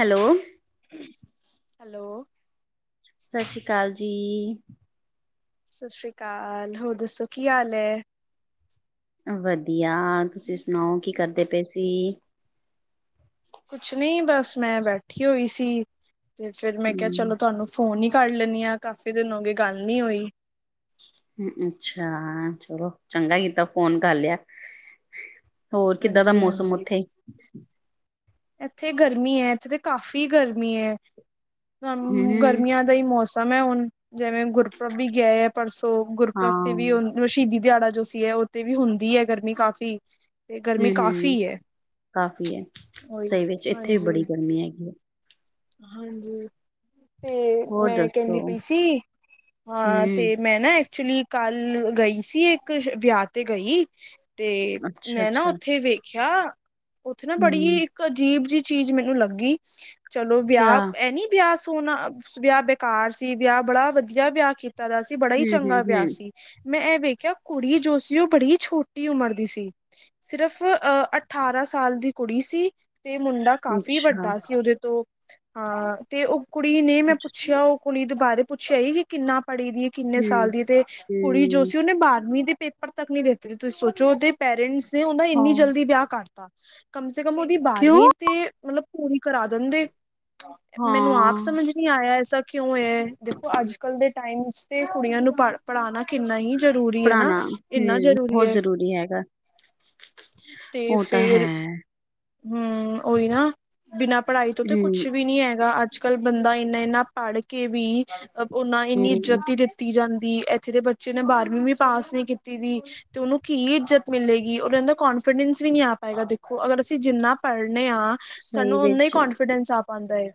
Hello [unintelligible] ਸਤਿ ਸ੍ਰੀ ਅਕਾਲ ਜੀ। ਸਤਿ ਸ੍ਰੀ ਅਕਾਲ ਹੋਰ ਦੱਸੋ ਕੀ ਹਾਲ ਐ। ਵਧੀਆ ਤੁਸੀਂ ਸੁਣਾਓ ਕੀ ਕਰਦੇ। ਤੇ ਪੇਸੀ ਕੁਛ ਨ੍ਹੀਂ ਬਸ ਮੈਂ ਬੈਠੀ ਹੋਈ ਸੀ। ਤੇ ਫਿਰ ਮੈਂ ਕਿਆ ਚਲੋ ਹਮ ਤੁਹਾਨੂੰ ਫੋਨ ਹੀ ਕਰ ਲੈਣੀ ਆਂ ਕਾਫੀ ਦਿਨ ਹੋ ਗਏ ਗੱਲ ਨੀਂ ਹੋਈ। ਅੱਛਾ ਚਲੋ, ਚੰਗਾ ਕੀਤਾ ਫੋਨ ਕਰ ਲਿਆ। ਹੋਰ ਕਿੱਦਾਂ ਦਾ ਹਾਂਜੀ ਮੌਸਮ ਹਾਂਜੀ ਉੱਥੇ ਇੱਥੇ ਗਰਮੀ ਐ, ਇੱਥੇ ਤਾਂ ਕਾਫ਼ੀ ਗਰਮੀ ਐ। ਅ ਹਮ ਗਰਮੀਆਂ ਦਾ ਹੀ ਮੌਸਮ ਹੈ ਹੁਣ ਜਿਵੇਂ ਗੁਰਪ੍ਰਬ ਵੀ ਗਿਆ ਆ ਪਰਸੋਂ ਹਾਂ ਗੁਰਪ੍ਰਬ ਤੇ ਵੀ ਹਮ ਸ਼ਹੀਦੀ ਦਿਹਾੜਾ ਜੋ ਸੀ ਐ, ਉੱਥੇ ਵੀ ਹੁੰਦੀ ਐ ਗਰਮੀ ਕਾਫ਼ੀ ਤੇ ਗਰਮੀ ਹਂ, ਹਂ, ਕਾਫ਼ੀ ਹੈ ਕਾਫ਼ੀ ਐ। [unintelligible] ਉਹੀ ਸਹੀ ਵਿੱਚ ਇੱਥੇ ਵੀ ਹਾਂਜੀ ਬੜੀ ਗਰਮੀ ਏ। [unintelligible] ਹਾਂਜੀ। ਤੇ ਹੋਰ ਮੈਂ ਦੱਸੋ ਕਹਿੰਦੀ ਪਈ ਸੀ ਹਾਂ ਹਮ ਤੇ ਮੈਂ ਨਾ ਐਕਚੁਲੀ ਕੱਲ ਗਈ ਸੀ ਇੱਕ ਵਿਆਹ ਤੇ ਗਈ ਤੇ ਅੱਛਾ ਮੈਂ ਨਾ ਅੱਛਾ ਉੱਥੇ ਵੇਖੀ ਖਿਆ ਉੱਥੇ ਨਾ ਬੜੀ ਹਮ ਇੱਕ ਅਜੀਬ ਜਿ ਚੀਜ਼ ਮੈਨੂੰ ਲੱਗੀ ਚਲੋ ਕਿਆ ਵਿਆਹ ਐਨੀ ਵਿਆਹ ਵਿਆਹ ਬੇਕਾਰ ਸੀ ਵਿਆਹ ਬੜਾ ਵਧੀਆ ਵਿਆਹ ਕੀਤਾ ਦਾ ਸੀ ਬੜਾ ਹੀ ਹਮ ਹਮ ਚੰਗਾ ਵਿਆਹ ਹਮ ਸੀ। ਮੈਂ ਇਹ ਵੇਖਿਆ ਕੁੜੀ ਜੋ ਸੀ ਉਹ ਬੜੀ ਛੋਟੀ ਉਮਰ ਦੀ ਸੀ ਸਿਰਫ਼ ਅਹ ਅਠਾਰਾਂ ਸਾਲ ਦੀ ਕੁੜੀ ਸੀ। ਤੇ ਮੁੰਡਾ ਕਾਫ਼ੀ ਅੱਛਾ ਵੱਡਾ ਸੀ ਉਹਦੇ ਹਾਂ ਤੇ ਉਹ ਕੁੜੀ ਨੇ ਮੈਂ ਅੱਛਾ ਪੁੱਛਿਆ ਉਹ ਕੁੜੀ ਦੇ ਬਾਰੇ ਪੁੱਛਿਆ ਹੀ ਕਿ ਕਿੰਨਾ ਪੜ੍ਹੀ ਦੀ ਹੈ ਕਿੰਨੇ ਹਮ ਸਾਲ ਦੀ ਤੇ ਕੁੜੀ ਜੋ ਹਮ ਸੀ ਉਹਨੇ ਬਾਰਵੀਂ ਦੀ ਪੇਪਰ ਤੱਕ ਨਹੀਂ ਦਿੱਤੀ ਤੁਸੀਂ ਸੋਚੋ ਉਹਦੇ ਪੇਰੈਂਟਸ ਹੁੰਦਾ ਇੰਨੀ ਹਾਂ ਜਲਦੀ ਵਿਆਹ ਕਰ ਤਾਂ ਕਮ ਸੇ ਕਮ ਉਹਦੀ ਕਿਉਂ ਬਾਰਵੀਂ ਤੇ ਮਤਲਬ ਪੂਰੀ ਕਰਾ ਦਿੰਦੇ। ਮੈਨੂੰ ਆਪ ਹਾਂ ਸਮਝ ਨੀ ਆਇਆ ਐਸਾ ਕਿਉਂ ਹੈ ਦੇਖੋ ਅੱਜ ਕੱਲ ਦੇ ਟਾਈਮ ਤੇ ਕੁੜੀਆਂ ਨੂੰ ਪੜ ਪੜ੍ਹਾਉਣਾ ਕਿੰਨਾ ਹੀ ਜ਼ਰੂਰੀ ਹੈ ਨਾ ਪੜ੍ਹਾਉਣਾ ਹਮ ਇੰਨਾ ਜ਼ਰੂਰੀ ਬਹੁਤ ਹੈ ਹੈਗਾ ਤੇ ਉਹ ਤਾਂ ਹੈ ਫੇਰ ਹੂੰ ਉਹੀ ਨਾ ਬਿਨਾਂ ਪੜ੍ਹਾਈ ਤੋਂ ਤੇ ਹਮ ਕੁੱਛ ਵੀ ਨੀ ਹੈਗਾ ਅੱਜ ਕੱਲ੍ਹ ਬੰਦਾ ਨਾ ਪੜ੍ਹ ਕੇ ਵੀ ਉਹ ਨਾ ਇੰਨੀ ਹਮ ਇੱਜ਼ਤੀ ਦਿੱਤੀ ਜਾਂਦੀ ਦੀ ਇੱਥੇ ਦੇ ਬੱਚੇ ਨੇ ਬਾਰਵੀਂ ਵੀ ਪਾਸ ਨਹੀਂ ਕੀਤੀ ਦੀ ਤੇ ਉਹਨੂੰ ਕੀ ਇੱਜਤ ਮਿਲੇਗੀ ਉਹਨ ਇਹਦਾ ਕਨਫੀਡੈਂਸ ਵੀ ਨੀ ਆ ਪਾਏਗਾ। ਦੇਖੋ ਅਗਰ ਅਸੀਂ ਜਿੰਨਾ ਪੜ੍ਹਨੇ ਹਾਂ ਸਹੀ ਸਾਨੂੰ ਓੇਨਾ ਵਿੱਚ ਕੋਂਨਫੀਡੈਂਸ ਆ ਪਾਉਂਦਾ ਏ।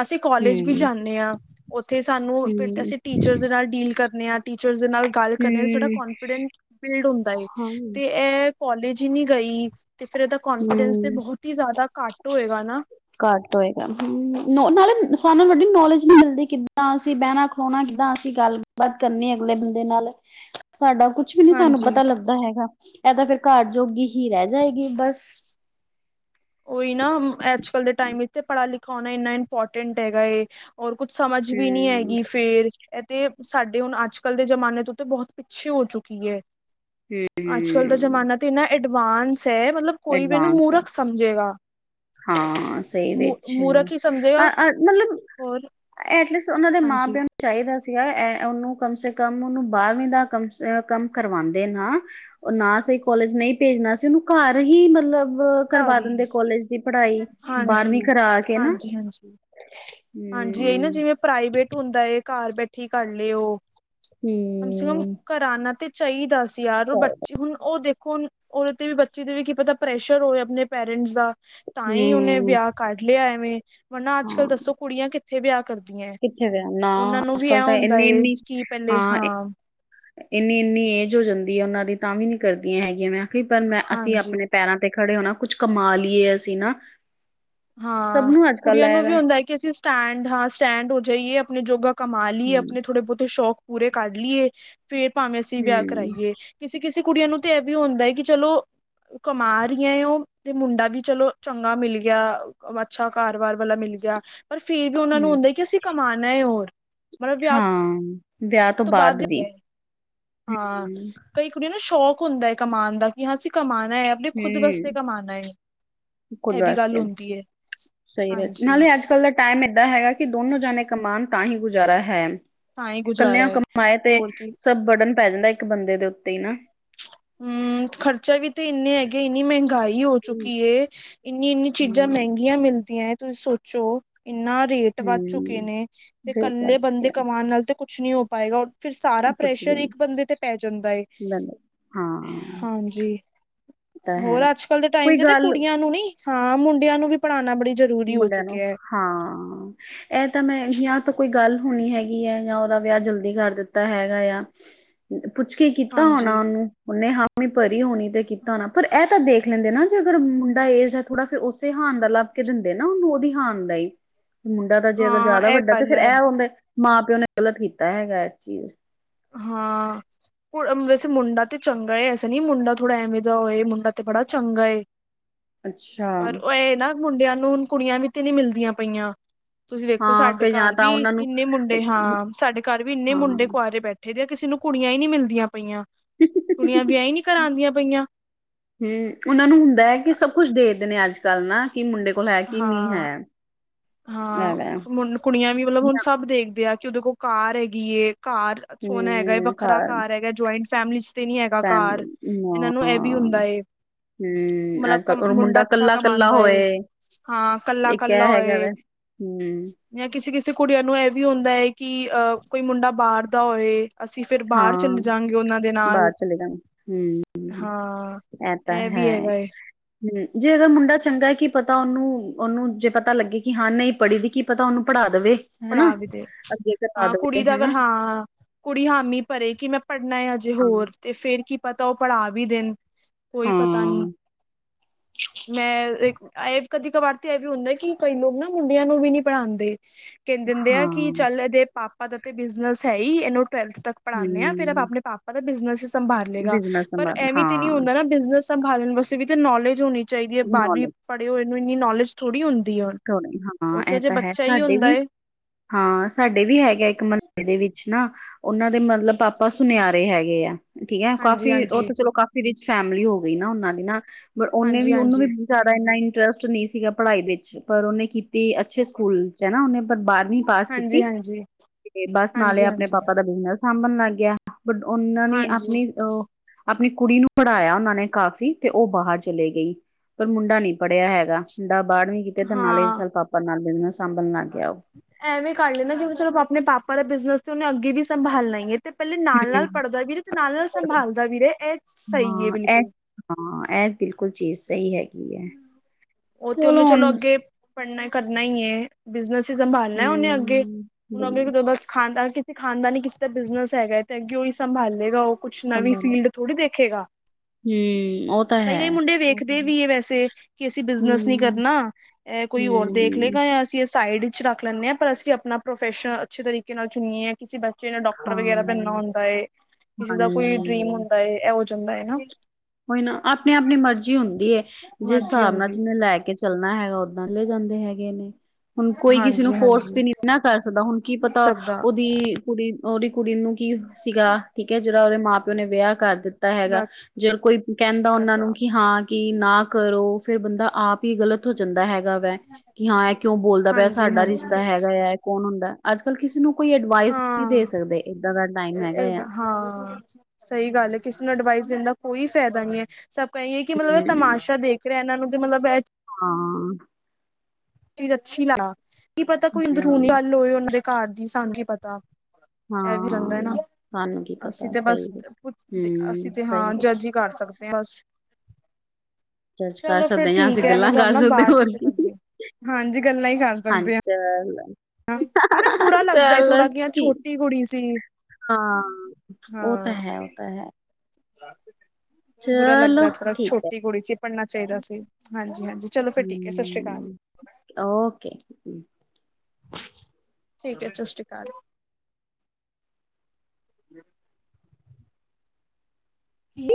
ਅਸੀਂ ਕਾਲਜ ਵੀ ਹਮ ਜਾਂਦੇ ਹਾਂ ਉੱਥੇ ਸਾਨੂੰ ਹਮ ਅਸੀਂ ਟੀਚਰ ਨਾਲ ਡੀਲ ਕਰ ਟੀਚਰ ਨਾਲ ਗੱਲ ਕਰਨ ਸਾਡਾ ਹਮ ਕਨਫੀਡੈਂਸ ਬਿਲਡ ਹੁੰਦਾ ਹੈ ਹਾਂ ਤੇ ਇਹ ਕਲੇਜ ਨਹੀਂ ਗਈ। ਤੇ ਫੇਰ ਇਹਦਾ ਕੋਂਨਫੀਡੈਂਸ ਤੇ ਹਮ ਬਹੁਤ ਹੀ ਜ਼ਿਆਦਾ ਘੱਟ ਹੋਏਗਾ ਨਾ। ਘੱਟ ਹੋਏਗਾ ਹੂੰ ਨਾਲੇ ਸਾਨੂੰ ਵਡੀ ਨੌਲੇਜ ਨਹੀਂ ਮਿਲਦੀ ਕਿੱਦਾਂ ਅਸੀਂ ਬਹਿਣਾ ਖਲੋਣਾ ਕਿੱਦਾਂ ਅਸੀਂ ਗੱਲਬਾਤ ਕਰਨੀ ਅਗਲੇ ਬੰਦੇ ਨਾਲ ਸਾਡਾ ਕੁਛ ਵੀ ਨੀ ਸਾਨੂੰ ਹਾਂਜੀ। ਪਤਾ ਲੱਗਦਾ ਹੈਗਾ ਇਹ ਤਾਂ ਫੇਰ ਘਰ ਜੋਗੀ ਹੀ ਰਹਿ ਜਾਏਗੀ ਬਸ ਬਸ ਓਹੀ ਨਾ ਅੱਜ ਕਲ ਦੇ ਟਾਈਮ ਇਥੇ ਪੜ੍ਹਾ ਲਿਖਾ ਹੋਣਾ ਇੰਨਾ ਇੰਪੋਰਟੈਂਟ ਹੈਗਾ ਏ ਔਰ ਕੁੱਛ ਸਮਝ ਵੀ ਨਹੀਂ ਹਮ ਹੈਗੀ ਫੇਰ ਇਹ ਤੇ ਸਾਡੇ ਹੁਣ ਅੱਜ ਕੱਲ੍ਹ ਦੇ ਜਮਾਨੇ ਤੋਂ ਤਾਂ ਬਹੁਤ ਪਿੱਛੇ ਹੋ ਚੁੱਕੀ ਹੈ। ਅੱਜ ਕੱਲ ਦਾ ਹਮ ਜ਼ਮਾਨਾ ਤਾਂ ਇੰਨਾ ਐਡਵਾਂਸ ਹੈ। ਮਤਲਬ ਕੋਈ ਵੀ ਉਨੂੰ ਐਡਵਾਂਸ ਹੈ ਮੂਰਖ ਸਮਝੇਗਾ। ਹਾਂ ਸਹੀ ਮੂ ਵਿੱਚ ਮੂਰਖ ਹੀ ਸਮਝੇਗਾ ਮਤਲਬ ਹੋਰ ਐਟਲੀਸਟ ਉਹਨਾਂ ਦੇ ਮਾਂ ਹਾਂਜੀ ਪਿਓ ਨੂੰ ਚਾਹੀਦਾ ਸੀਗਾ ਉਹਨੂੰ ਕਮ ਸੇ ਕਮ ਕੰਮ ਉਹਨੂੰ ਬਾਰਵੀਂ ਦਾ ਕੰਮ ਅ ਕੰਮ ਕਰਵਾਉਂਦੇ ਨਾ ਉਹ ਨਾ ਸਹੀ ਕੋਲੇਜ ਨਹੀਂ ਭੇਜਣਾ ਸੀ ਉਹਨੂੰ ਘਰ ਹੀ ਮਤਲਬ ਕਰਵਾ ਘਰ ਹੀ ਦਿੰਦੇ ਕੋਲਾਜ ਹਾਂਜੀ ਹਾਂਜੀ ਹਾਂਜੀ ਹਾਂਜੀ ਇਹ ਨਾ ਹਮ ਜਿਵੇਂ ਪ੍ਰਾਈਵੇਟ ਹੁੰਦਾ ਏ ਘਰ ਬੈਠੀ ਕਰ ਲਏ ਉਹ ਕਮ ਸੇ ਕਮ ਹਮ ਕਰਾ ਤੇ ਚਾਹੀਦਾ ਸੀ। ਯਾਰ ਬੱਚੇ ਹੁਣ ਉਹ ਦੇਖੋ ਉਹਦੇ ਤੇ ਵੀ ਬੱਚੇ ਦੇ ਵੀ ਕੀ ਪਤਾ ਪ੍ਰੈ ਪ੍ਰਸ਼ਰ ਹੋਏ ਆਪਣੇ ਪੇਰੈਂਟਸ ਦਾ ਤਾਂ ਹੀ ਉਹਨੇ ਹਮ ਵਿਆਹ ਕੱਢ ਲਿਆ ਐਵੇਂ ਵਾ ਅੱਜ ਕੱਲ੍ਹ ਹਾਂ ਦੱਸੋ ਕੁੜੀਆਂ ਕਿੱਥੇ ਇੱਥ ਵਿਆਹ ਕਰਦ ਕਿੱਥੇ ਦੇ ਆ ਨਾ ਅੱਜਕੱਲ ਤਾਂ ਇਨੀ ਏ ਇਨੀ ਕਿ ਪਹਿਲੇ ਹਾਂ। ਇੰਨੀ ਇੰਨੀ ਏਜ ਹੋ ਜਾਂਦੀ ਹੈ ਉਹਨਾਂ ਦੀ ਤਾਂ ਵੀ ਨੀ ਕਰਦੀਆਂ ਹੈਗੀਆਂ ਪਰ ਮੈਂ ਅਸੀਂ ਹਾਂਜੀ ਆਪਣੇ ਪੈਰਾਂ ਤੇ ਖੜੇ ਹੋਣਾ ਕੁਛ ਕਮਾ ਲਈਏ ਅਸੀਂ ਨਾ ਸਭ ਹਾਂ ਨੂੰ ਅੱਜ ਕੱਲ ਕੁੜੀਆਂ ਐ ਨੂੰ ਵੀ ਵੈ ਹੁੰਦਾ ਹੈ ਕਿ ਅਸੀਂ ਸਟੈਂਡ ਹਾਂ ਸਟੈਂਡ ਹੋ ਜਾਈਏ ਆਪਣੇ ਜੋਗਾ ਕਮਾ ਲਈਏ ਹਮ ਆਪਣੇ ਥੋੜੇ ਬਹੁਤੇ ਸ਼ੌਕ ਪੂਰੇ ਕਢ ਲਈਏ। ਫੇਰ ਭਾਵੇਂ ਅਸੀਂ ਵਿਆਹ ਹੂੰ, ਕਰਾਈਏ ਕੇ ਕਿਸੇ ਕੁੜੀਆਂ ਨੂੰ ਤੇ ਇਹ ਵੀ ਹੁੰਦਾ ਹੈ ਕਿ ਚਲੋ ਕਮਾ ਰਹੀਆਂ ਉਹ ਤੇ ਮੁੰਡਾ ਵੀ ਚਲੋ ਚੰਗਾ ਮਿਲ ਗਿਆ। ਅੱਛਾ ਕਾਰਬਾਰ ਵਾਲਾ ਮਿਲ ਗਿਆ। ਪਰ ਫਿਰ ਵੀ ਉਹਨਾਂ ਨੂੰ ਹੂੰ, ਹੁੰਦਾ ਕਿ ਅਸੀਂ ਕਮਾਉਣਾ ਹੈ ਹੋਰ ਮਤਲਬ ਵਿਆਹ ਹਾਂ। ਵਿਆਹ ਤੋਂ ਬਾਅਦ ਵੀ ਹਾਂ ਹੂੰ, ਕਈ ਕੁੜੀਆਂ ਨੇ ਸ਼ੌਕ ਹੁੰਦਾ ਹੈ ਕਮਾਣ ਦਾ ਕਿ ਹਾਂ ਅਸੀਂ ਕਮਾ ਹੂੰ, ਕੁਦ ਇਹ ਵੀ ਗੱਲ ਵਾਸਤੇ ਹੁੰਦੀ ਹੈ ਸਹੀ ਹਾਂਜੀ ਨਾਲੇ ਅੱਜ-ਕੱਲ ਦਾ ਟਾਈਮ ਏਦਾਂ ਹੈਗਾ ਕਿ ਦੋਨੋ ਜਾਣੇ ਕਮਾਨ ਤਾਂ ਹੀ ਗੁਜ਼ਾਰਾ ਹੈ। ਤਾਂ ਹੀ ਗੁਜ਼ਾਰਾ ਇਕੱਲਿਆਂ ਹੈ ਕਮਾਏ ਤੇ ਹੋਰ ਕੀ ਸਭ ਬੜਨ ਪੈ ਜਾਂਦਾ ਇੱਕ ਬੰਦੇ ਦੇ ਉੱਤੇ ਹੀ ਨਾ। ਹੂੰ, ਖਰਚਾ ਵੀ ਤੇ ਇੰਨੇ ਹੈਗੇ ਇੰਨੀ ਮਹਿੰਗੀ ਮਗਾਈ ਹੋ ਹੂੰ, ਚੁੱਕੀ ਏ ਇੰਨੀ-ਇੰਨੀ ਚੀਜ਼ਾਂ ਮਹਿੰਗੀਆਂ ਮਿਲਦੀਆਂ। ਤੁਸੀਂ ਸੋਚੋ ਇੰਨਾ ਰੇਟ ਵੱਧ ਚੁੱਕੇ ਹੂੰ, ਨੇ ਤੇ ਬੇਕਾਰ ਇਕੱਲੇ ਬੰਦੇ ਕਿਆ, ਕਮਾਣ ਨਾਲ ਤੇ ਕੁਛ ਨਹੀਂ ਹੋ ਪਾਏਗਾ। ਫਿਰ ਸਾਰਾ ਕੁਛ ਵੀ ਪ੍ਰੈਸ਼ਰ ਨੀ ਇੱਕ ਬੰਦੇ ਤੇ ਪੈ ਜਾਂਦਾ। ਹਾਂ, ਹਾਂਜੀ ਇਹ ਤਾਂ ਹੈ। ਹੋਰ ਅੱਜ ਕੱਲ ਦੇ ਟਾਈਮ ਕੋਈ ਤੇ ਤਾਂ ਗੱਲ ਕੁੜੀਆਂ ਨੂੰ ਨੀ। ਹਾਂ ਮੁੰਡਿਆਂ ਨੂੰ ਵੀ ਪੜ੍ਹਾਣਾ ਬੜੀ ਜ਼ਰੂਰੀ ਹੋ ਮੁੰਡਿਆਂ ਨੂੰ ਚੁੱਕਿਆ ਹੈ ਹਾਂ ਇਹ ਤਾਂ ਮੈਂ ਤਾਂ ਕੋਈ ਗੱਲ ਹੋਣੀ ਹੈਗੀ ਹੈ ਜਾਂ ਉਹਦਾ ਵਿਆਹ ਜਲਦੀ ਕਰ ਦਿੱਤਾ ਹੈਗਾ ਆ। ਪੁੱਛ ਕੇ ਕੀਤਾ ਹੋਣਾ ਹਾਂਜੀ ਉਹਨੂੰ ਉਹਨੇ ਹਾ। ਪਰੀ ਹੋਣੀ ਤੇ ਕੀਤਾ ਨਾ ਪਰ ਇਹ ਤਾਂ ਦੇਖ ਲੈਂਦੇ ਨਾ ਜੇ ਅਗਰ ਮੁੰਡਾ ਏਜ ਹੈ ਥੋੜਾ ਫੇਰ ਉਸੇ ਹਾਨ ਦਾ ਦਿੰਦੇ ਨੇ ਨਾ ਉਹਨੂੰ ਉਹਦੀ ਹਾਣ ਦਾ ਹੀ, ਮੁੰਡਾ ਤਾਂ ਜੇ ਅਗਰ ਹਾਂ ਜ਼ਿਆਦਾ ਇਹ ਵੱਡਾ ਤੇ ਗੱਲ ਫੇਰ ਹੈ ਇਹ ਹੁੰਦਾ, ਮਾਂ ਪਿਓ ਨੇ ਗ਼ਲਤ ਕੀਤਾ ਹੈਗਾ ਇਸ ਚੀਜ਼ ਹਾਂ, ਵੈਸੇ ਮੁੰਡਾ ਤੇ ਚੰਗਾ ਏ ਐਸਾ ਨੀ ਮੁੰਡਾ ਥੋੜ੍ਹਾ ਐਵੇਂ ਦਾ ਹੋਏੰ ਦਾ ਤੇ ਬੜਾ ਚੰਗਾ ਏ, ਅੱਛਾ, ਪਰ ਉਹ ਇਹ ਨਾ ਮੁੰਡਿਆਂ ਨੂੰ ਹੁਣ ਕੁੜੀਆਂ ਵੀ ਤੇ ਨੀ ਮਿਲਦੀਆਂ ਪਈਆਂ। ਤੁਸੀਂ ਵੇਖੋ ਹਾਂ ਸਾਡੇ ਫਿਰ ਜਾਂ ਘਰ ਵੀ ਤਾਂ ਉਹਨਾਂ ਨੂੰ ਇੰਨੇ ਮੁੰਡੇ ਹਾਂ ਸਾਡੇ ਘਰ ਵੀ ਇੰਨੇ ਹਾਂ ਮੁੰਡੇ ਕੁਆਰੇ ਬੈਠੇ, ਇਹ ਕਿਸੇ ਨੂੰ ਕੁੜੀਆਂ ਹੀ ਨੀ ਮਿਲਦੀਆਂ ਪਈਆਂ। ਕੁੜੀਆਂ ਵਿਆਹ ਹੀ ਨਹੀਂ ਕਰਾਂਦੀਆਂ ਪਈਆਂ ਹੂੰ, ਉਹਨਾਂ ਨੂੰ ਹੁੰਦਾ ਹੈ ਕਿ ਸਭ ਕੁਛ ਦੇਖਦੇ ਨੇ ਅੱਜ ਚੱਲਣਾ, ਹਾਂ-ਹਾਂ ਐਵੇਂ ਕੁੜੀਆਂ ਵੀ ਮਤਲਬ ਹੁਣ ਸਭ ਦੇਖਦੇ ਆ, ਕਿ ਉਹਦੇ ਕੋਲ ਕਾਰ ਹੈਗੀ ਏ, ਘਰ ਸੋਹਣਾ ਹੈਗਾ ਹੈ ਵੱਖਰਾ ਘਰ ਹੈਗਾ, ਜੁਆਇੰਟ ਫੈਮਲੀ ਚ ਤੇ ਨੀ ਹੈਗਾ ਘਰ ਫੈਮਲੀ ਇਹਨਾਂ ਨੂੰ ਇਹ ਵੀ ਹਾਂ ਹੁੰਦਾ ਹੈ ਹੂੰ ਮਤਲਬ ਅੱਜ ਕ ਕੱਲ ਔਰ ਮੁੰਡਾ ਅੱਛਾ ਕੱਲਾ ਕੱਲਾ ਕਮਾਦਾ ਐ। ਹੋਏ ਹਾਂ ਕੱਲਾ ਇੱਕ ਇਹ ਕੱਲਾ ਹੈਗਾ ਹੋਏ ਵੈ ਹੂੰ ਜਾਂ ਕਿਸੇ ਕਿਸੇ ਕੁੜੀ ਨੂੰ ਇਹ ਵੀ ਹੁੰਦਾ ਹੈ ਕਿ ਕਿ ਅਹ ਕੋਈ ਮੁੰਡਾ ਬਾਹਰ ਦਹੇ ਅਸੀਂ ਫਿਰ ਹਾਂ ਬਾਹਰ ਚਲੇ ਜਾਾਂਗੇ ਉਹਨਾਂ ਦੇ ਨਾਲ ਬਾਹਰ ਚਲੇ ਜਾਣ ਹੂੰ ਹਾਂ ਇਹ ਵੀ ਹੈਗਾ ਹਮ ਜੇ ਅਗਰ ਮੁੰਡਾ ਚੰਗਾ ਕੀ ਪਤਾ ਉਹਨੂੰ ਉਹਨੂੰ ਜੇ ਪਤਾ ਲੱਗੇ ਕਿ ਹਾਂ ਨਹੀਂ ਪੜ੍ਹੀ ਦੀ ਕੀ ਪਤਾ ਉਹਨੂੰ ਪੜ੍ਹਾ ਦੇਵੇ ਹਨਾ ਪੜਾ ਵੀ ਦੇ ਅੱਗੇ ਕਰਾ ਹਾਂ ਕੁੜੀ ਦੇਵੇ ਦਾ ਅਗਰ ਹਨਾ ਹਾਂ ਕੁੜੀ ਹਾਮੀ ਪਰ ਕਿ ਮੈਂ ਪੜ੍ਹਨਾ ਆਜੇ ਹਾਂ ਹੋਰ ਤੇ ਫੇਰ ਕੀ ਪਤਾ ਉਹ ਪੜ੍ਹਾ ਵੀ ਦੇਣ ਕੋਈ ਪਤਾ ਨੀ ਹਾਂ ਮੈਂ ਇਹ ਕਦੀ ਕ ਵਾਰ ਤੇ ਇਹ ਵੀ ਹੁੰਦਾ ਕਿ ਕਈ ਲੋਕ ਨਾ ਮੁੰਡਿਆਂ ਨੂੰ ਵੀ ਨਹੀਂੀ ਪੜ੍ਹਾਉਂਦੇ ਕਹਿੰ ਦਿੰਦੇ ਆ ਹਾਂ ਕਿ ਚੱਲ ਇਹਦੇ ਪਾਪ ਆਪਾਂ ਤੇ ਬਿਜ਼ਨਸ ਹੈ ਹੀ ਇਹਨੂੰ ਬਾਰਵੀਂ ਤੱਕ ਪੜਾਨੇ ਆ ਫਿਰ ਹੂੰ ਆਪਣੇ ਪਾਪਾ ਦਾ ਬਿਜ਼ਨਸ ਸੰਭਾਲ ਲਏਗਾ ਬਿਜਨਸ ਪਰ ਸੰਭਾਲਣਾ ਐਵੇਂ ਤੇ ਨੀ ਹਾਂ ਹੁੰਦਾ ਨਾ ਬਿਜਨਸ ਸੰਭਾਲਣ ਵਾਸਤੇ ਵੀ ਤੇ ਨੌਲੇਜ ਹੋਣੀ ਚਾਹੀਦੀ ਹੈ ਬਾਅਦ ਵੀ ਪੜ੍ਹਿਓ ਇਹਨ ਇੰਨੀ ਨੌਲੇਜ ਥੋੜਾ ਹੁੰਦੀ ਹੈ ਹੁਣ ੋ ਹਾਂ ਉੱਥੇ ਇਹ ਜੇ ਤਾਂ ਹੈ ਬੱਚਾ ਹੀ ਸਾਡੇ ਹੁੰਦਾ ਵੀ ਏ ਹਾਂ ਸਾਡੇ ਵੀ ਹੈਗੇ ਇੱਕ ਮਹੱਲੇ ਦੇ ਵਿੱਚ ਨਾ ਉਹਨਾਂ ਦੇ ਮਤਲਬ ਪਾਪਾ ਸੁਨਿਆਰੇ ਹੈਗੇ ਆ ਠੀਕ ਹੈ ਹਾਂਜੀ ਕਾਫੀ ਉਹ ਹਾਂਜੀ ਤਾਂ ਚਲੋ ਕਾਫ਼ੀ ਰਿਚ ਫੈਮਿਲੀ ਹੋ ਗਈ ਨਾ ਉਹਨਾਂ ਦੀ ਨਾ ਬ ਉਹਨੇ ਹਾਂਜੀ ਵੀ ਉਹਨੂੰ ਹਾਂਜੀ ਵੀ ਜ਼ਿਆਦਾ ਇਨਾ ਇੰਟਰਸਟ ਨਹੀਂ ਸੀਗਾ ਪੜ੍ਹਾਈ ਵਿੱਚ ਪਰ ਉਹਨੇ ਕੀਤੀ ਅੱਛੇ ਸਕੂਲ ਚ ਹੈਾ ਉਹਨੇ ਪਰ ਬਾਰਵੀਂ ਪਾਸ ਕੀਤੀ ਹਾਂਜੀ ਹਾਂਜੀ ਤੇ ਬਸ ਨਾਲੇ ਆਪਣੇ ਹਾਂਜੀ ਪਾਪਾ ਦਾ ਬਿਜ਼ਨਸ ਸਾਂਭਣ ਲੱਗ ਗਿਆ ਬਟ ਉਹਨਾਂ ਹਾਂਜੀ ਨੇ ਹਾਂਜੀ ਆਪਣੀ ਅਹ ਆਪਣੀ ਕੁੜੀ ਨੂੰ ਪੜਾਇਆ ਉਹਨਾਂ ਨੇ ਕਾਫ਼ੀ ਤੇ ਉਹ ਬਾਹਰ ਚਲੇ ਗਈ ਪਰ ਮੁੰਡਾ ਨਹੀਂ ਪੜ੍ਹਿਆ ਹੈਗਾ ਮੁੰਡਾ ਬਾਹਰ ਵੀ ਤਾਂ ਨਾਲੇ ਹਾਂ ਸਾਲ ਪਾਪਾ ਨਾਲ ਬਿਨਸ [unintelligible] ਐਵੇਂ ਕਰ ਲੈਂਦਾ ਜਿਵੇਂ ਚਲੋ ਪਾਪਾ ਆਪਣੇ ਪਾਪਾ ਦੇ ਬਿਜ਼ਨਸ ਤੇ ਉਹਨੇ ਅੱਗੇ ਵੀ ਸੰਭਾਲਣਾ ਹੀ ਹੈ ਤੇ ਪਹਿਲੇ ਨਾਲ ਨਾਲ ਹਮ, ਪੜ੍ਹਦਾ ਵੀ ਰਿਹਾ ਤੇ ਨਾਲ ਨਾਲ ਸੰਭਾਲਦਾ ਵੀ ਰਿਹਾ ਇਹ ਸਹੀ ਹੈ ਹਾਂ ਇਹ ਬਿਲਕੁਲ ਹਾਂ ਇਹ ਬਿਲਕੁਲ ਚੀਜ਼ ਸਹੀ ਹੈ ਕੀ ਉਹ ਤੇ ਉਹਨੇ ਚਲੋ ਹੁਣ ਅੱਗੇ ਪੜ੍ਹਨਾ ਕਰਨਾਈ ਹੈ ਬ [unintelligible] ਸੰਭਾਲਣਾ ਉਹਨੇ ਅੱਗੇ ਹਮ ਹੁਣ ਅੱਗੇ ਵਧੀਆ ਖਾਨਦਾਨ ਤੇ ਖਾਨਦਾਨੀ ਕਿਸੇ ਦਾ ਬਿਜਨਸ ਹੈਗਾ ਅੱਗੇਓ ਉਹੀ ਸੰਭਾਲੇਗਾ ਉਹ ਕੁਛ ਨਵੀ ਸੰਭਾਲ ਫੀਲਡ ਥੋੜੀ ਦੇਖੇਗਾ ਹਮ ਉਹ ਤਾਂ ਕਈ ਹੈ ਕਈ ਮੁੰਡੇ ਵੇਖਦੇ ਵੀ ਹੈ ਵੈਸੇ ਕਿ ਅਸੀਂ ਬਿਜਨਸ ਨਹੀਂ ਹਮ ਕਰਨਾ ਇਹ ਕੋਈ ਹੋਰ ਦੇਖ ਲਏਗਾ ਜਾਂ ਅਸੀਂ ਸਾਈਡ ਵਿੱਚ ਰੱਖ ਲੈਂਦੇ ਹਾਂ ਪਰ ਅਸੀਂ ਆਪਣਾ ਪ੍ਰੋਫੈਸ਼ਨ ਅੱਛੇ ਤਰੀਕੇ ਨਾਲ ਚੁਣੀਏ ਕਿਸੇ ਬਸ ਜਿਨ ਡਾਕਟਰ ਹਾਂ ਵਗੈਰਾ ਬਣਨਾ ਹੁੰਦਾ ਹੈ ਕਿਸੇ ਦਾ ਕੋਈ ਡਰੀਮ ਹਾਂਜੀ ਹੁੰਦਾ ਹੈ ਇਹ ਜਾਂਦਾ ਹੈ ਨਾ [unintelligible] ਕੋਈ ਨਾ ਆਪਣੇ ਆਪਣੀ ਮਰਜ਼ੀ ਹੁੰਦੀ ਜਿਸ ਮਰਜ਼ੀ ਹਿਸਾਬ ਨਾਲ ਹੁੰਦੀ ਜਿਨਂ ਹੈ। ਲੈ ਕੇ [unintelligible] ਚੱਲਣਾ ਹੈਗਾ ਓਦਾਂ ਲੈ ਜਾਂਦੇ ਹੈਗੇ ਨੇ ਹੁਣ ਕੋਈ ਕਿਸੇ ਨੂੰ ਹਾਂਜੀ ਫੋਰਸ ਹਾਂਜੀ ਵੀ ਨਹੀਂ ਨਾ ਕਰ ਸਕਦਾ ਹੁਣ ਕੀ ਪਤਾ ਸਭ ਦਾ ਉਹਦੀ ਕੁੜੀ ਉਹਦੀ ਕੁੜੀ ਨੂੰ ਕੀ ਸੀਗਾ ਠੀਕ ਹੈ ਜਿਹੜਾ ਉਹਦੇ ਮਾਂ ਪਿਓ ਨੇ ਵਿਆਹ ਕਰ ਦਿੱਤਾ ਹੈਗਾ ਜੇ ਕੋਈ ਕਹਿੰਦਾ ਉਹਨਾਂ ਕਰਦਾ ਨੂੰ ਕਿ ਹਾਂ ਕਿ ਨਾ ਕਰੋ ਫੇਰ ਬੰਦਾ ਆਪ ਹੀ ਗਲਤ ਉੱਥੋਂ ਜਾਂਦਾ ਹੈਗਾ ਵਾ ਕਿ ਹਾਂ ਇਹ ਕਿਉਂ ਬੋਲਦਾ ਪਿਆ ਹਾਂਜੀ ਸਾਡਾ ਹਾਂਜੀ ਰਿਸ਼ਤਾ ਹੈਗਾ ਹੈ ਕੌਣ ਹੁੰਦਾ ਅੱਜ ਕਿਸੇ ਨੂੰ ਕੋਈ ਅਡਵਾਈਸ ਨਹੀਂ ਦੇ ਹਾਂ ਸਕਦੇ ਏਦਾਂ ਦਾ ਟਾਈਮ ਹੈਗਾ ਇੱਕਦ ਆ। ਹਾਂ ਸਹੀ ਗੱਲ ਹੈ ਕਿਸੇ ਨੂੰ ਅਡਵਾਈਸ ਜ ਦਾ ਕੋਈ ਫਾਇਦਾ ਨਹੀਂ ਹੈ ਸਭ ਕਹਿਹੀਏ ਕਿ ਮਤਲਬ ਇਹ ਹੂੰ ਤਮਾਸ਼ਾ ਦੇਖ ਰਿਹਾ ਇਹਨਾਂ ਨੂੰ [unintelligible] ਮਤਲਬ ਹਾਂ ਚੀਜ਼ ਅੱਛੀ ਲਾ [unintelligible] ਕੀ ਪਤਾ ਕੋਈ ਹੂੰ ਅੰਦਰੂਨੀ ਗੱਲ ਹੋਏ ਉਹਨਾਂ ਦੇ ਘਰ ਦੀ ਸਾਨੂੰ ਕੀ ਪਤਾ ਤਾਂ ਇਹ ਵੀ ਜਾਂਦਾ ਨਾ, ਹਾਂ ਸਾਨੂੰ ਕੀ ਅਸੀਂ ਪਤਾ ਤੇ ਬਸ ਸਹੀ ਪੁੱਛ ਹਮ ਅਸੀਂ ਤੇ ਸਹੀ ਹਾਂ ਕੁਛ ਜੱਜ ਹੀ ਕਰ ਸਕਦੇ ਹ ਬਸ। ਜੱਜ ਕਰ ਚਲੋ ਫਿਰ ਸਕਦੇ ਜਾਂ ਅਸੀਂ ਠੀਕ ਹੈ, ਮੈਂ ਗੱਲਾਂ ਤੁਹਾਨੂੰ ਕਰ ਨਾ ਸਕਦੇ ਬਾਅਦ ਹਾਂ, ਹੋਰ ਚ ਕੀ ਕਰਦੀ ਹਾ। ਹਾਂਜੀ ਗੱਲਾਂ ਹੀ ਕਰ ਸਕਦੇ ਹਾਂਜੀ ਹਾਂ ਚਲ ਹ ਬੁਰਾ ਲੱਗਦਾ ਚਲੋ ਥੋੜਾ ਕਿ ਠੀਕ ਛੋਟੀ ਕੁੜੀ ਸੀ। ਹਾਂ, ਉਹ ਤਾਂ ਹੈ-ਉਹ ਤਾਂ ਹੈ। ਹ [inaudible] ਬੁਰਾ ਚਲੋ ਲੱਗਦਾ ਥੋੜਾ ਠੀਕ ਹੈ ਛੋਟੀ ਕੁੜੀ ਸੀ। ਪੜ੍ਹਨਾ ਚਾਹੀਦਾ ਸੀ। ਹਾਂਜੀ- ਹਾਂਜੀ ਚਲੋ ਫਿਰ ਠੀਕ ਹੈ ਸਤਿ ਸ੍ਰੀ ਅਕਾਲ। ਹਮ ਓਕੇ [inaudible] ਠੀਕ ਹੈ ਸਤਿ ਸ਼੍ਰੀ ਅਕਾਲ। ਹਮ [inaudible] ਕੀ